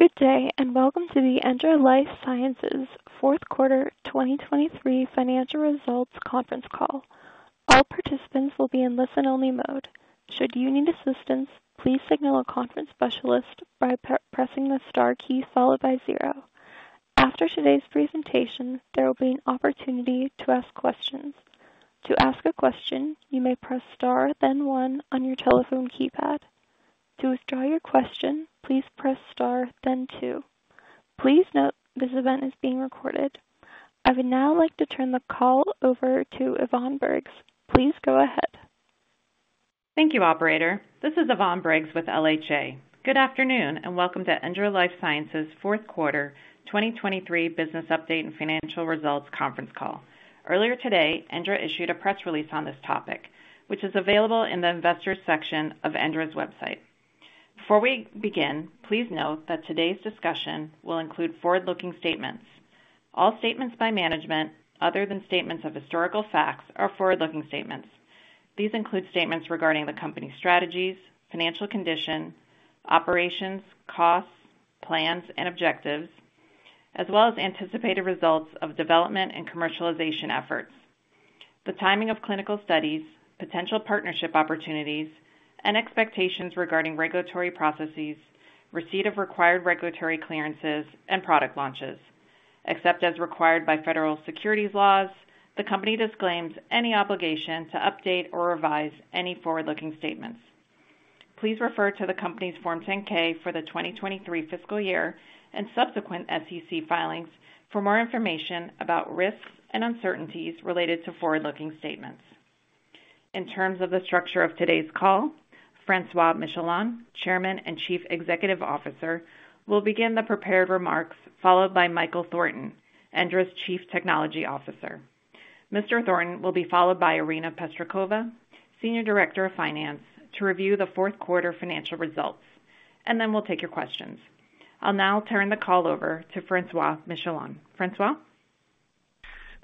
Good day and welcome to the ENDRA Life Sciences fourth quarter 2023 financial results conference call. All participants will be in listen-only mode. Should you need assistance, please signal a conference specialist by pre-pressing the star key followed by 0. After today's presentation, there will be an opportunity to ask questions. To ask a question, you may press star then 1 on your telephone keypad. To withdraw your question, please press star then 2. Please note this event is being recorded. I would now like to turn the call over to Yvonne Briggs. Please go ahead. Thank you, operator. This is Yvonne Briggs with LHA. Good afternoon and welcome to ENDRA Life Sciences fourth quarter 2023 business update and financial results conference call. Earlier today, ENDRA issued a press release on this topic, which is available in the investors section of ENDRA's website. Before we begin, please note that today's discussion will include forward-looking statements. All statements by management, other than statements of historical facts, are forward-looking statements. These include statements regarding the company's strategies, financial condition, operations, costs, plans, and objectives, as well as anticipated results of development and commercialization efforts. The timing of clinical studies, potential partnership opportunities, and expectations regarding regulatory processes, receipt of required regulatory clearances, and product launches. Except as required by federal securities laws, the company disclaims any obligation to update or revise any forward-looking statements. Please refer to the company's Form 10-K for the 2023 fiscal year and subsequent SEC filings for more information about risks and uncertainties related to forward-looking statements. In terms of the structure of today's call, François Michelon, Chairman and Chief Executive Officer, will begin the prepared remarks followed by Michael Thornton, ENDRA's Chief Technology Officer. Mr. Thornton will be followed by Irina Pestrikova, Senior Director of Finance, to review the fourth quarter financial results, and then we'll take your questions. I'll now turn the call over to François Michelon. François?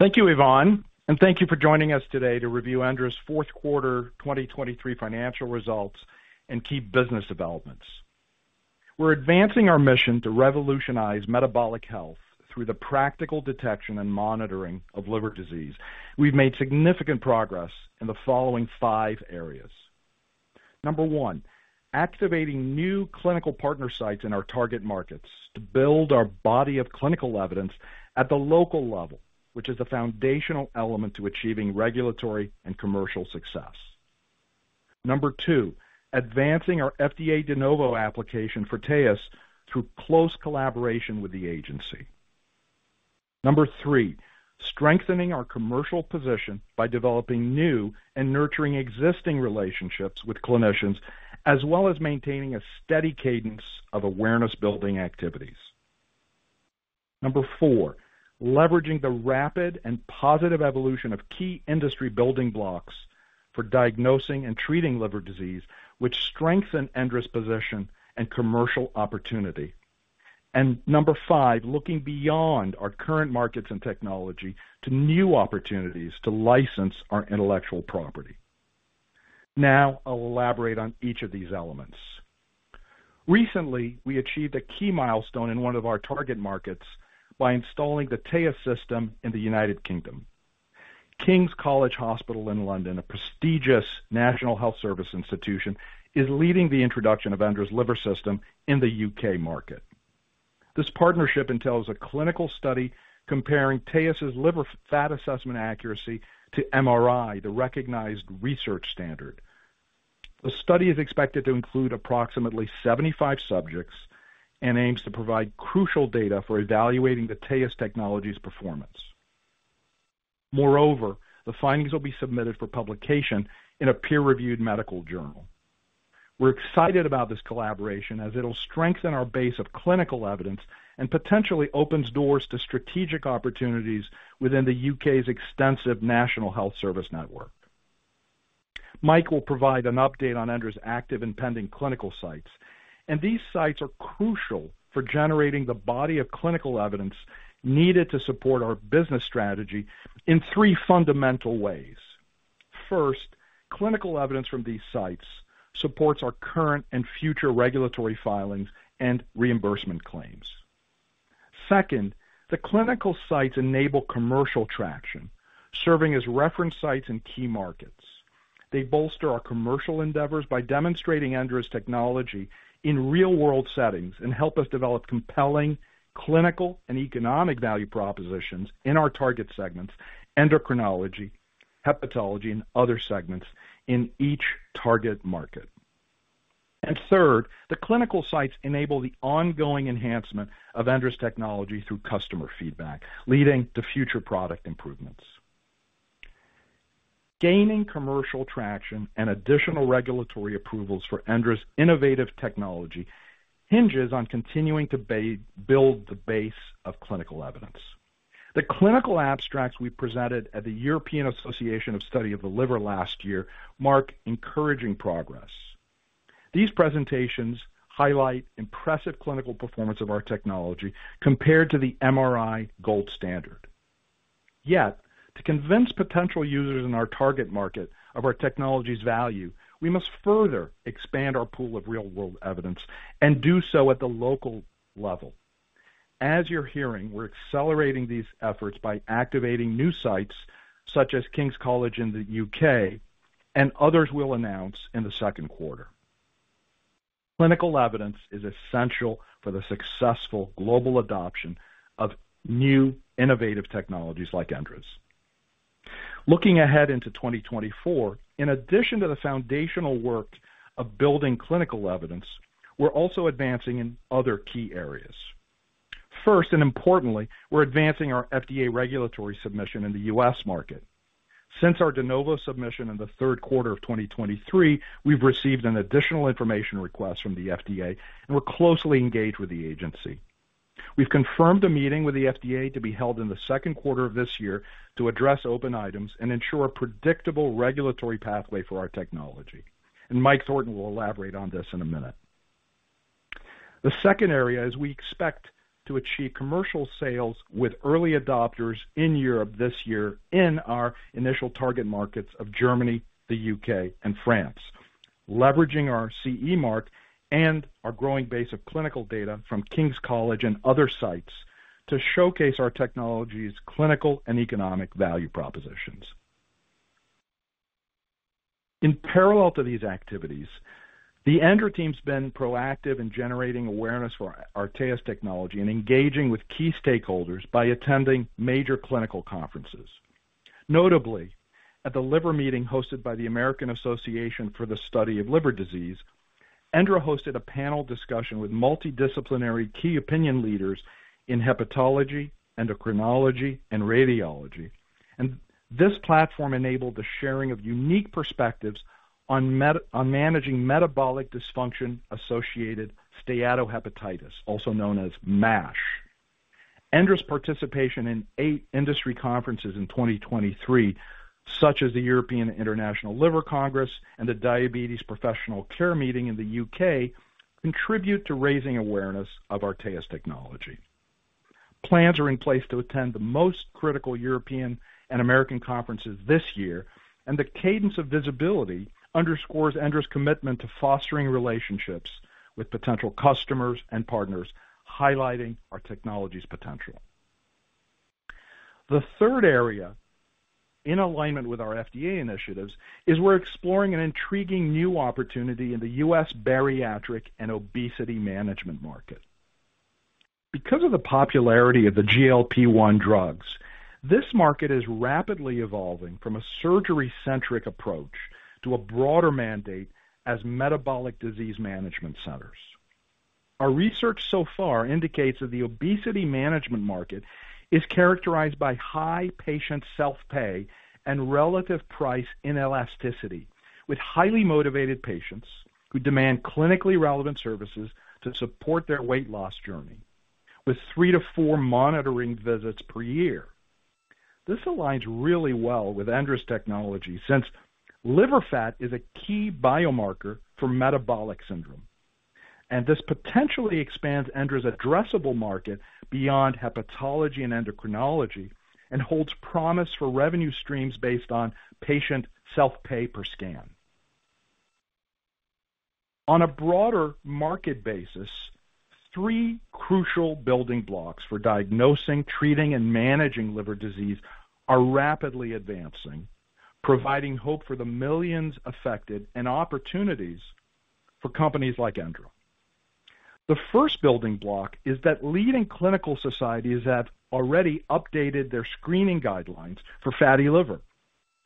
Thank you, Yvonne, and thank you for joining us today to review ENDRA's fourth quarter 2023 financial results and key business developments. We're advancing our mission to revolutionize metabolic health through the practical detection and monitoring of liver disease. We've made significant progress in the following five areas. Number 1, activating new clinical partner sites in our target markets to build our body of clinical evidence at the local level, which is a foundational element to achieving regulatory and commercial success. Number 2, advancing our FDA De Novo application for TAEUS through close collaboration with the agency. Number 3, strengthening our commercial position by developing new and nurturing existing relationships with clinicians, as well as maintaining a steady cadence of awareness-building activities. Number 4, leveraging the rapid and positive evolution of key industry building blocks for diagnosing and treating liver disease, which strengthen ENDRA's position and commercial opportunity. Number five, looking beyond our current markets and technology to new opportunities to license our intellectual property. Now I'll elaborate on each of these elements. Recently, we achieved a key milestone in one of our target markets by installing the TAEUS system in the United Kingdom. King's College Hospital in London, a prestigious National Health Service institution, is leading the introduction of ENDRA's liver system in the U.K. market. This partnership entails a clinical study comparing TAEUS's liver fat assessment accuracy to MRI, the recognized research standard. The study is expected to include approximately 75 subjects and aims to provide crucial data for evaluating the TAEUS technology's performance. Moreover, the findings will be submitted for publication in a peer-reviewed medical journal. We're excited about this collaboration as it'll strengthen our base of clinical evidence and potentially opens doors to strategic opportunities within the U.K.'s extensive National Health Service network. Mike will provide an update on ENDRA's active and pending clinical sites, and these sites are crucial for generating the body of clinical evidence needed to support our business strategy in three fundamental ways. First, clinical evidence from these sites supports our current and future regulatory filings and reimbursement claims. Second, the clinical sites enable commercial traction, serving as reference sites in key markets. They bolster our commercial endeavors by demonstrating ENDRA's technology in real-world settings and help us develop compelling clinical and economic value propositions in our target segments, endocrinology, hepatology, and other segments in each target market. Third, the clinical sites enable the ongoing enhancement of ENDRA's technology through customer feedback, leading to future product improvements. Gaining commercial traction and additional regulatory approvals for ENDRA's innovative technology hinges on continuing to build the base of clinical evidence. The clinical abstracts we presented at the European Association for the Study of the Liver last year mark encouraging progress. These presentations highlight impressive clinical performance of our technology compared to the MRI gold standard. Yet, to convince potential users in our target market of our technology's value, we must further expand our pool of real-world evidence and do so at the local level. As you're hearing, we're accelerating these efforts by activating new sites such as King's College in the U.K., and others will announce in the second quarter. Clinical evidence is essential for the successful global adoption of new innovative technologies like ENDRA's. Looking ahead into 2024, in addition to the foundational work of building clinical evidence, we're also advancing in other key areas. First and importantly, we're advancing our FDA regulatory submission in the US market. Since our De Novo submission in the third quarter of 2023, we've received an additional information request from the FDA, and we're closely engaged with the agency. We've confirmed a meeting with the FDA to be held in the second quarter of this year to address open items and ensure a predictable regulatory pathway for our technology. And Mike Thornton will elaborate on this in a minute. The second area is we expect to achieve commercial sales with early adopters in Europe this year in our initial target markets of Germany, the U.K., and France, leveraging our CE mark and our growing base of clinical data from King's College and other sites to showcase our technology's clinical and economic value propositions. In parallel to these activities, the ENDRA team's been proactive in generating awareness for our TAEUS technology and engaging with key stakeholders by attending major clinical conferences. Notably, at The Liver Meeting hosted by the American Association for the Study of Liver Diseases, ENDRA hosted a panel discussion with multidisciplinary key opinion leaders in hepatology, endocrinology, and radiology. This platform enabled the sharing of unique perspectives on managing metabolic dysfunction-associated steatohepatitis, also known as MASH. ENDRA's participation in eight industry conferences in 2023, such as the European International Liver Congress and the Diabetes Professional Care Meeting in the U.K., contributes to raising awareness of our TAEUS technology. Plans are in place to attend the most critical European and American conferences this year, and the cadence of visibility underscores ENDRA's commitment to fostering relationships with potential customers and partners, highlighting our technology's potential. The third area, in alignment with our FDA initiatives, is we're exploring an intriguing new opportunity in the U.S. bariatric and obesity management market. Because of the popularity of the GLP-1 drugs, this market is rapidly evolving from a surgery-centric approach to a broader mandate as metabolic disease management centers. Our research so far indicates that the obesity management market is characterized by high patient self-pay and relative price inelasticity, with highly motivated patients who demand clinically relevant services to support their weight loss journey, with 3-4 monitoring visits per year. This aligns really well with ENDRA's technology since liver fat is a key biomarker for metabolic syndrome. And this potentially expands ENDRA's addressable market beyond hepatology and endocrinology and holds promise for revenue streams based on patient self-pay per scan. On a broader market basis, three crucial building blocks for diagnosing, treating, and managing liver disease are rapidly advancing, providing hope for the millions affected and opportunities for companies like ENDRA. The first building block is that leading clinical societies have already updated their screening guidelines for fatty liver.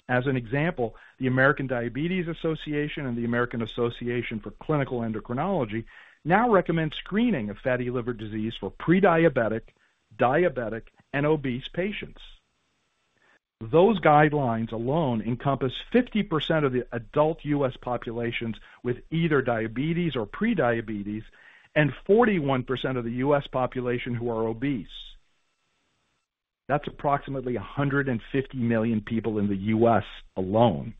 As an example, the American Diabetes Association and the American Association for Clinical Endocrinology now recommend screening of fatty liver disease for prediabetic, diabetic, and obese patients. Those guidelines alone encompass 50% of the adult U.S. populations with either diabetes or prediabetes and 41% of the U.S. population who are obese. That's approximately 150 million people in the U.S. alone.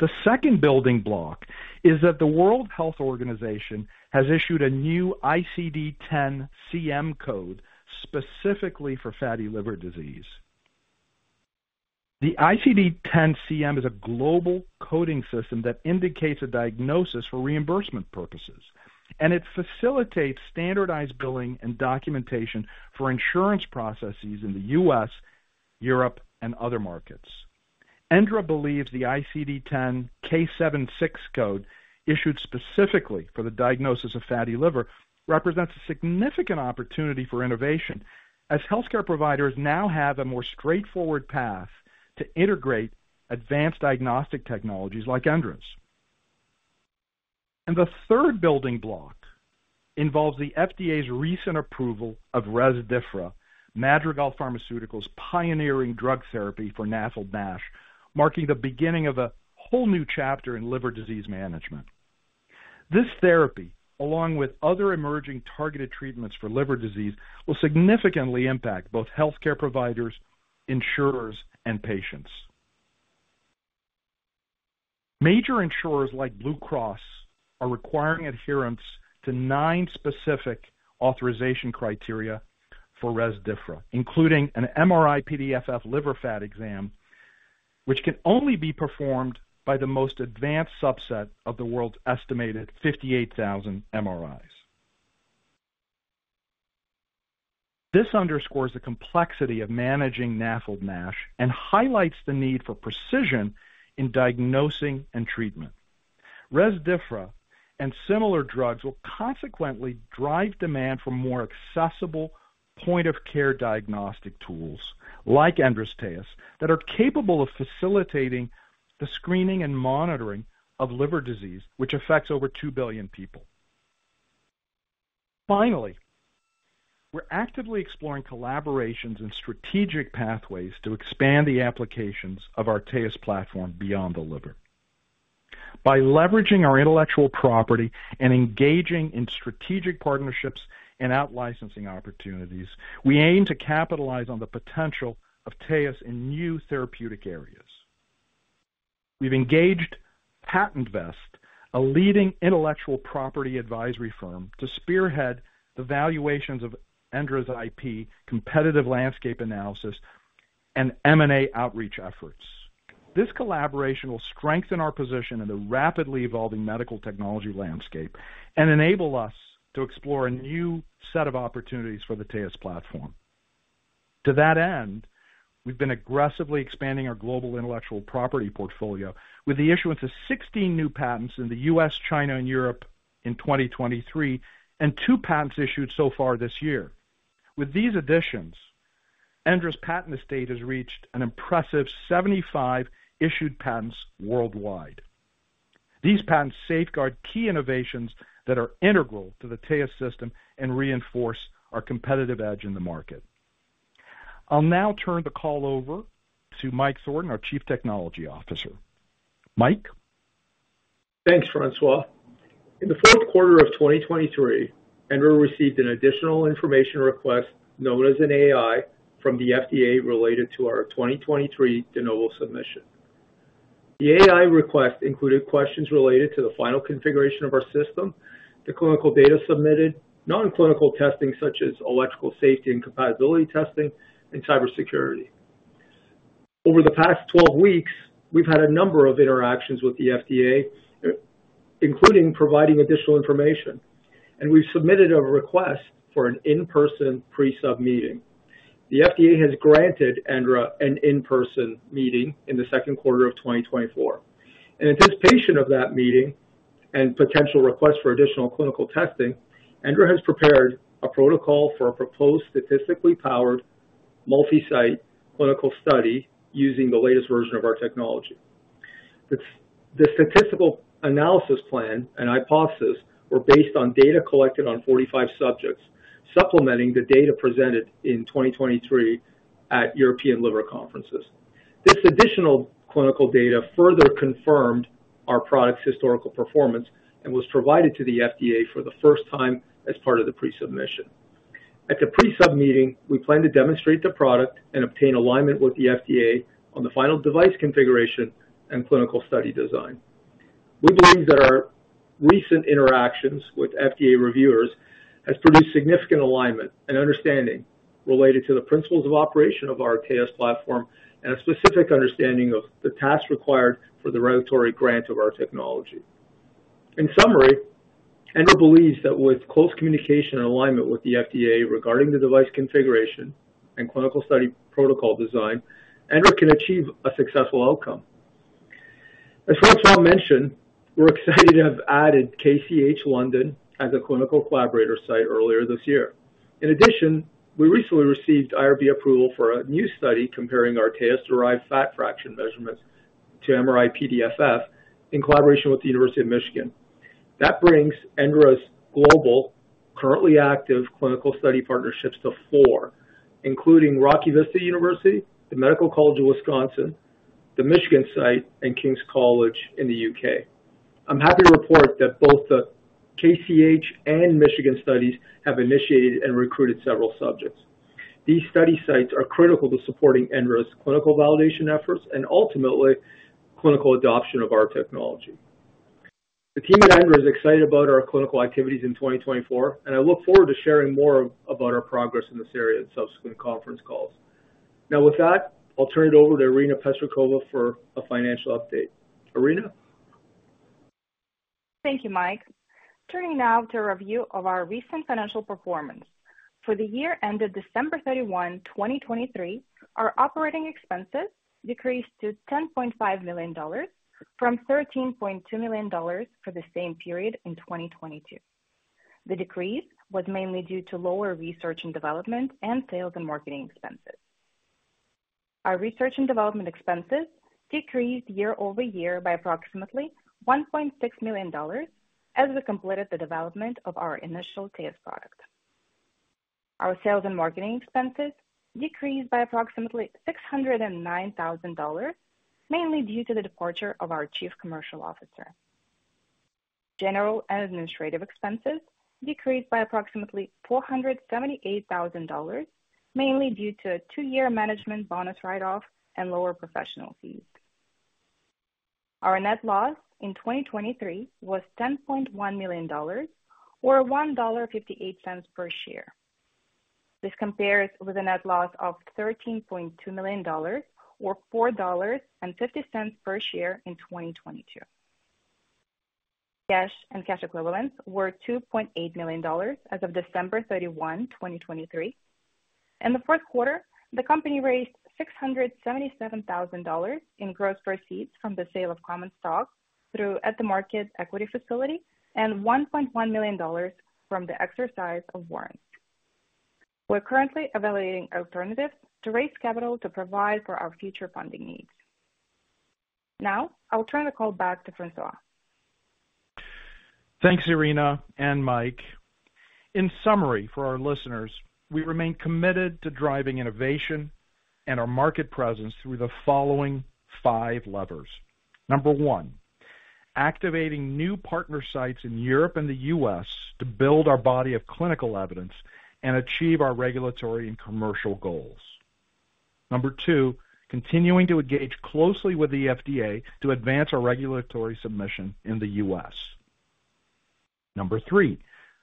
The second building block is that the World Health Organization has issued a new ICD-10-CM code specifically for fatty liver disease. The ICD-10-CM is a global coding system that indicates a diagnosis for reimbursement purposes, and it facilitates standardized billing and documentation for insurance processes in the U.S., Europe, and other markets. ENDRA believes the ICD-10 K76 code, issued specifically for the diagnosis of fatty liver, represents a significant opportunity for innovation as healthcare providers now have a more straightforward path to integrate advanced diagnostic technologies like ENDRA's. The third building block involves the FDA's recent approval of Rezdiffra, Madrigal Pharmaceuticals' pioneering drug therapy for NAFLD-MASH, marking the beginning of a whole new chapter in liver disease management. This therapy, along with other emerging targeted treatments for liver disease, will significantly impact both healthcare providers, insurers, and patients. Major insurers like Blue Cross are requiring adherence to nine specific authorization criteria for Rezdiffra, including an MRI PDFF liver fat exam, which can only be performed by the most advanced subset of the world's estimated 58,000 MRIs. This underscores the complexity of managing NAFLD-MASH and highlights the need for precision in diagnosing and treatment. Rezdiffra and similar drugs will consequently drive demand for more accessible point-of-care diagnostic tools like ENDRA's TAEUS that are capable of facilitating the screening and monitoring of liver disease, which affects over 2 billion people. Finally, we're actively exploring collaborations and strategic pathways to expand the applications of our TAEUS platform beyond the liver. By leveraging our intellectual property and engaging in strategic partnerships and out-licensing opportunities, we aim to capitalize on the potential of TAEUS in new therapeutic areas. We've engaged PatentVest, a leading intellectual property advisory firm, to spearhead the valuations of ENDRA's IP, competitive landscape analysis, and M&A outreach efforts. This collaboration will strengthen our position in the rapidly evolving medical technology landscape and enable us to explore a new set of opportunities for the TAEUS platform. To that end, we've been aggressively expanding our global intellectual property portfolio with the issuance of 16 new patents in the U.S., China, and Europe in 2023 and 2 patents issued so far this year. With these additions, ENDRA's patent estate has reached an impressive 75 issued patents worldwide. These patents safeguard key innovations that are integral to the TAEUS system and reinforce our competitive edge in the market. I'll now turn the call over to Mike Thornton, our Chief Technology Officer. Mike. Thanks, François. In the fourth quarter of 2023, ENDRA received an additional information request known as an AI from the FDA related to our 2023 De Novo submission. The AI request included questions related to the final configuration of our system, the clinical data submitted, non-clinical testing such as electrical safety and compatibility testing, and cybersecurity. Over the past 12 weeks, we've had a number of interactions with the FDA, including providing additional information, and we've submitted a request for an in-person pre-sub meeting. The FDA has granted ENDRA an in-person meeting in the second quarter of 2024. In anticipation of that meeting and potential requests for additional clinical testing, ENDRA has prepared a protocol for a proposed statistically powered multi-site clinical study using the latest version of our technology. The statistical analysis plan and hypothesis were based on data collected on 45 subjects, supplementing the data presented in 2023 at European Liver Conferences. This additional clinical data further confirmed our product's historical performance and was provided to the FDA for the first time as part of the pre-submission. At the pre-sub meeting, we plan to demonstrate the product and obtain alignment with the FDA on the final device configuration and clinical study design. We believe that our recent interactions with FDA reviewers have produced significant alignment and understanding related to the principles of operation of our TAEUS platform and a specific understanding of the tasks required for the regulatory grant of our technology. In summary, ENDRA believes that with close communication and alignment with the FDA regarding the device configuration and clinical study protocol design, ENDRA can achieve a successful outcome. As François mentioned, we're excited to have added KCH London as a clinical collaborator site earlier this year. In addition, we recently received IRB approval for a new study comparing our TAEUS-derived fat fraction measurements to MRI PDFF in collaboration with the University of Michigan. That brings ENDRA's global, currently active clinical study partnerships to four, including Rocky Vista University, the Medical College of Wisconsin, the Michigan site, and King's College in the UK. I'm happy to report that both the KCH and Michigan studies have initiated and recruited several subjects. These study sites are critical to supporting ENDRA's clinical validation efforts and ultimately clinical adoption of our technology. The team at ENDRA is excited about our clinical activities in 2024, and I look forward to sharing more about our progress in this area in subsequent conference calls. Now, with that, I'll turn it over to Irina Pestrikova for a financial update. Irina. Thank you, Mike. Turning now to a review of our recent financial performance. For the year ended December 31, 2023, our operating expenses decreased to $10.5 million from $13.2 million for the same period in 2022. The decrease was mainly due to lower research and development and sales and marketing expenses. Our research and development expenses decreased year-over-year by approximately $1.6 million as we completed the development of our initial TAEUS product. Our sales and marketing expenses decreased by approximately $609,000, mainly due to the departure of our Chief Commercial Officer. General and administrative expenses decreased by approximately $478,000, mainly due to a two-year management bonus write-off and lower professional fees. Our net loss in 2023 was $10.1 million, or $1.58 per share. This compares with a net loss of $13.2 million, or $4.50 per share in 2022. Cash and cash equivalents were $2.8 million as of December 31, 2023. In the fourth quarter, the company raised $677,000 in gross proceeds from the sale of common stock through At the Market Equity Facility and $1.1 million from the exercise of warrants. We're currently evaluating alternatives to raise capital to provide for our future funding needs. Now, I'll turn the call back to François. Thanks, Irina and Mike. In summary, for our listeners, we remain committed to driving innovation and our market presence through the following 5 levers. Number 1, activating new partner sites in Europe and the U.S. to build our body of clinical evidence and achieve our regulatory and commercial goals. Number 2, continuing to engage closely with the FDA to advance our regulatory submission in the U.S. Number 3,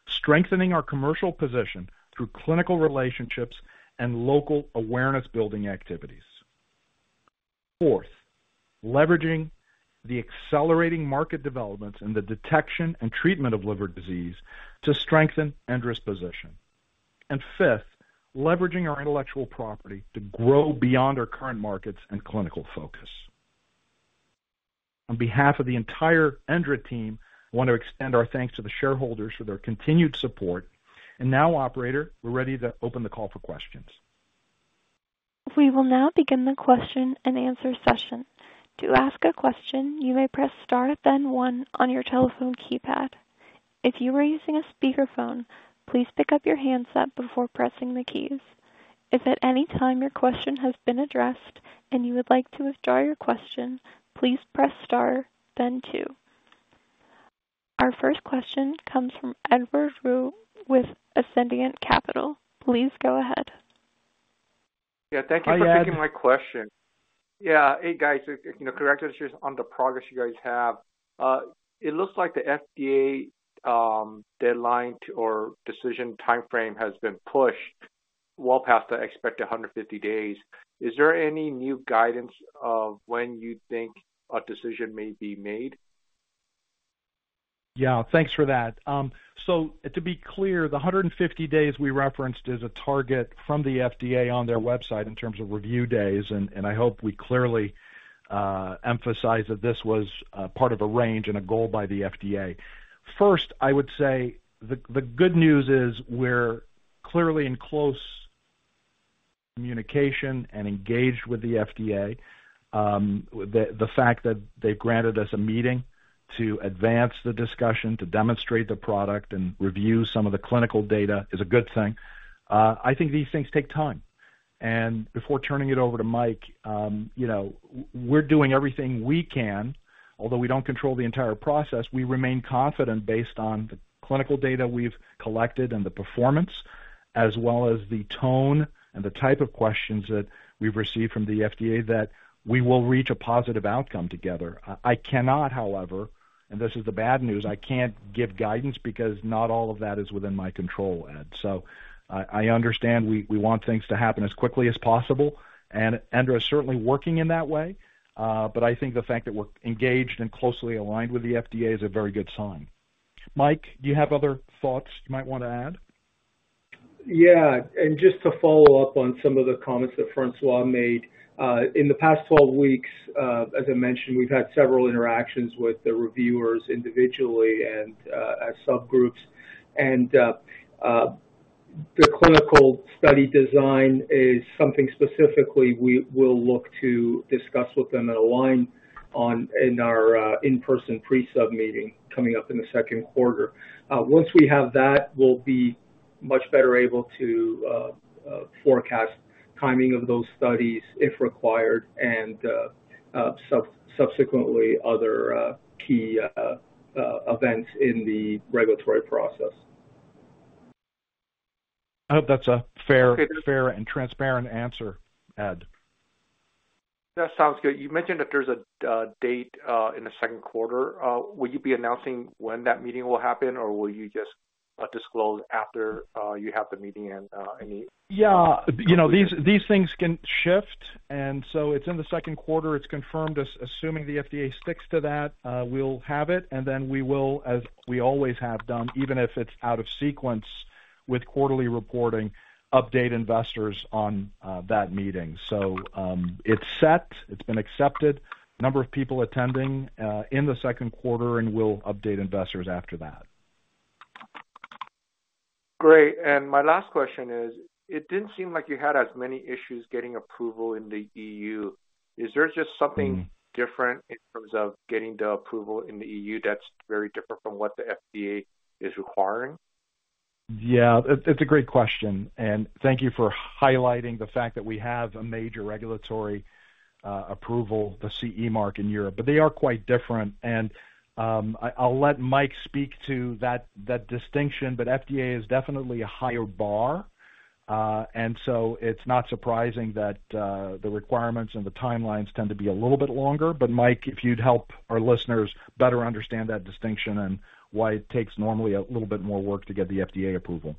strengthening our commercial position through clinical relationships and local awareness-building activities. 4th, leveraging the accelerating market developments in the detection and treatment of liver disease to strengthen ENDRA's position. And 5th, leveraging our intellectual property to grow beyond our current markets and clinical focus. On behalf of the entire ENDRA team, I want to extend our thanks to the shareholders for their continued support. And now, operator, we're ready to open the call for questions. We will now begin the question and answer session. To ask a question, you may press star, then one on your telephone keypad. If you are using a speakerphone, please pick up your handset before pressing the keys. If at any time your question has been addressed and you would like to withdraw your question, please press star, then two. Our first question comes from Edward Woo with Ascendiant Capital. Please go ahead. Yeah, thank you for taking my question. Yeah, hey guys, correct me on the progress you guys have. It looks like the FDA deadline or decision timeframe has been pushed well past the expected 150 days. Is there any new guidance of when you think a decision may be made? Yeah, thanks for that. So to be clear, the 150 days we referenced is a target from the FDA on their website in terms of review days, and I hope we clearly emphasize that this was part of a range and a goal by the FDA. First, I would say the good news is we're clearly in close communication and engaged with the FDA. The fact that they've granted us a meeting to advance the discussion, to demonstrate the product, and review some of the clinical data is a good thing. I think these things take time. Before turning it over to Mike, we're doing everything we can, although we don't control the entire process. We remain confident based on the clinical data we've collected and the performance, as well as the tone and the type of questions that we've received from the FDA that we will reach a positive outcome together. I cannot, however, and this is the bad news, I can't give guidance because not all of that is within my control, Ed. So I understand we want things to happen as quickly as possible, and ENDRA is certainly working in that way. But I think the fact that we're engaged and closely aligned with the FDA is a very good sign. Mike, do you have other thoughts you might want to add? Yeah, and just to follow up on some of the comments that François made. In the past 12 weeks, as I mentioned, we've had several interactions with the reviewers individually and as subgroups. And the clinical study design is something specifically we will look to discuss with them and align on in our in-person pre-sub meeting coming up in the second quarter. Once we have that, we'll be much better able to forecast timing of those studies if required and subsequently other key events in the regulatory process. I hope that's a fair and transparent answer, Ed. That sounds good. You mentioned that there's a date in the second quarter. Will you be announcing when that meeting will happen, or will you just disclose after you have the meeting and any. Yeah, these things can shift. And so it's in the second quarter. It's confirmed. Assuming the FDA sticks to that, we'll have it. And then we will, as we always have done, even if it's out of sequence with quarterly reporting, update investors on that meeting. So it's set. It's been accepted. A number of people attending in the second quarter, and we'll update investors after that. Great. My last question is, it didn't seem like you had as many issues getting approval in the EU. Is there just something different in terms of getting the approval in the EU that's very different from what the FDA is requiring? Yeah, it's a great question. Thank you for highlighting the fact that we have a major regulatory approval, the CE mark, in Europe. They are quite different. I'll let Mike speak to that distinction. FDA is definitely a higher bar. So it's not surprising that the requirements and the timelines tend to be a little bit longer. Mike, if you'd help our listeners better understand that distinction and why it takes normally a little bit more work to get the FDA approval.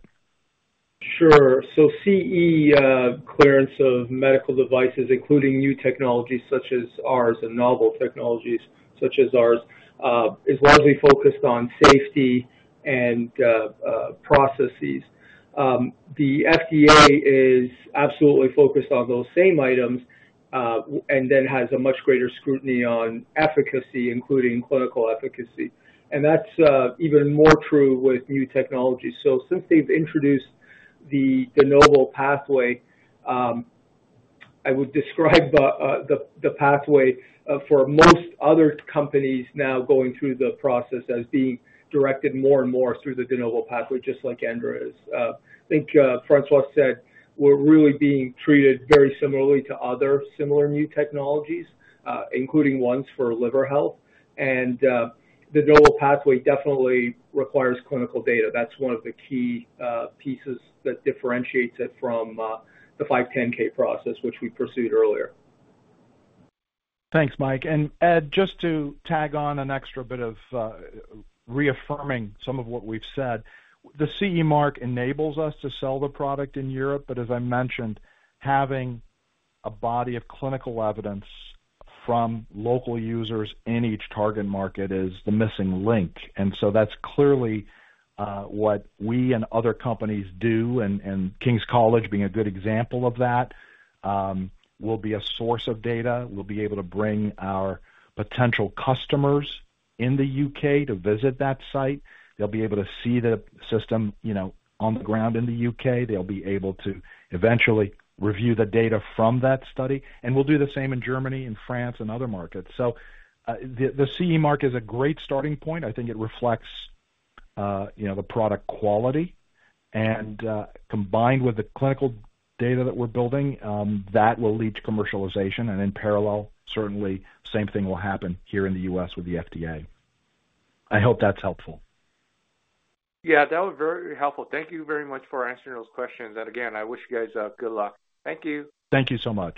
Sure. So CE clearance of medical devices, including new technologies such as ours and novel technologies such as ours, is largely focused on safety and processes. The FDA is absolutely focused on those same items and then has a much greater scrutiny on efficacy, including clinical efficacy. And that's even more true with new technologies. So since they've introduced the de novo pathway, I would describe the pathway for most other companies now going through the process as being directed more and more through the de novo pathway, just like ENDRA is. I think François said we're really being treated very similarly to other similar new technologies, including ones for liver health. And the de novo pathway definitely requires clinical data. That's one of the key pieces that differentiates it from the 510(k) process, which we pursued earlier. Thanks, Mike. And Ed, just to tag on an extra bit of reaffirming some of what we've said, the CE mark enables us to sell the product in Europe. But as I mentioned, having a body of clinical evidence from local users in each target market is the missing link. And so that's clearly what we and other companies do. And King's College being a good example of that will be a source of data. We'll be able to bring our potential customers in the UK to visit that site. They'll be able to see the system on the ground in the UK. They'll be able to eventually review the data from that study. And we'll do the same in Germany, in France, and other markets. So the CE mark is a great starting point. I think it reflects the product quality. Combined with the clinical data that we're building, that will lead to commercialization. In parallel, certainly, same thing will happen here in the U.S. with the FDA. I hope that's helpful. Yeah, that was very helpful. Thank you very much for answering those questions. And again, I wish you guys good luck. Thank you. Thank you so much.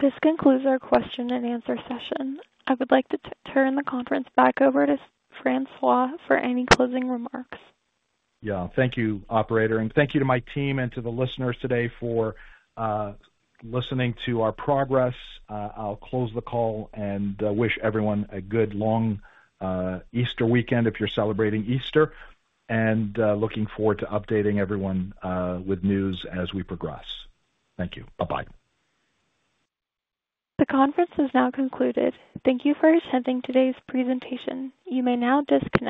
This concludes our question and answer session. I would like to turn the conference back over to François for any closing remarks. Yeah, thank you, operator. And thank you to my team and to the listeners today for listening to our progress. I'll close the call and wish everyone a good long Easter weekend if you're celebrating Easter. And looking forward to updating everyone with news as we progress. Thank you. Bye-bye. The conference is now concluded. Thank you for attending today's presentation. You may now disconnect.